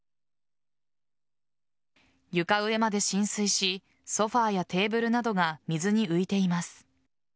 床上まで浸水しソファやテーブルなどが水に浮いています。